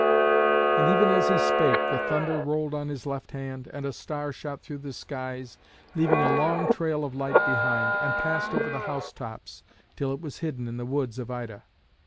And even as he spake the thunder rolled on his left hand, and a star shot through the skies, leaving a long trail of light behind, and passed over the house tops till it was hidden in the woods of Ida.